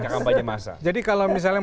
kampanye massa jadi kalau misalnya